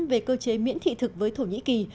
về cơ chế miễn thị thực với thổ nhĩ kỳ